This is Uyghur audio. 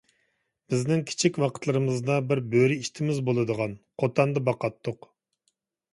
بىزنىڭ كىچىك ۋاقىتلىرىمىزدا بىر بۆرە ئىتىمىز بولىدىغان، قوتاندا باقاتتۇق.